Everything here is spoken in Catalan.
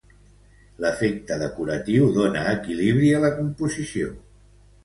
L'efecte decoratiu dóna equilibri a la composició.